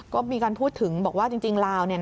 ก็มีการพูดถึงบอกว่าจริงลาว